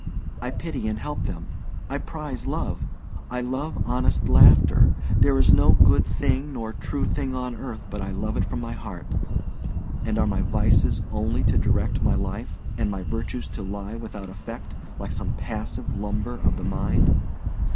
I pity and help them. I prize love; I love honest laughter; there is no good thing nor true thing on earth but I love it from my heart. And are my vices only to direct my life, and my virtues to lie without effect, like some passive lumber of the mind?